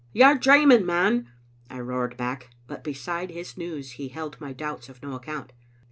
"You're dreaming, man," I roared back, but beside his news he held my doubts of no account.